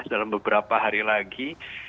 dalam beberapa hari lagi